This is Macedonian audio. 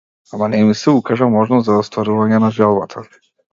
Ама не ми се укажа можност за остварување на желбата.